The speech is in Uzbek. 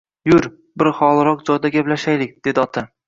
Jur, bir xoliroq joyda gaplashayik, dedi ota